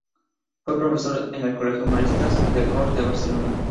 Fue profesor en el Colegio Maristas Les Corts de Barcelona.